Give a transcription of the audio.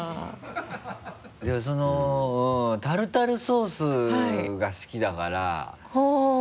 でもタルタルソースが好きだからはぁ。